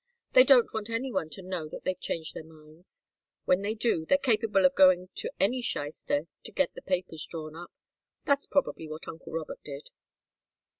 They don't want any one to know that they've changed their minds. When they do, they're capable of going to any shyster to get the papers drawn up. That's probably what uncle Robert did."